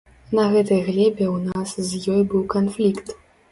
На гэтай глебе ў нас з ёй быў канфлікт.